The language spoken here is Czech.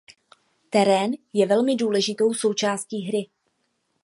Terén je velmi důležitou součástí hry.